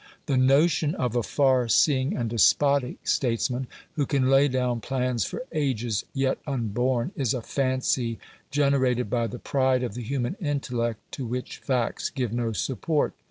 The notion of a far seeing and despotic statesman, who can lay down plans for ages yet unborn, is a fancy generated by the pride of the human intellect to which facts give no support.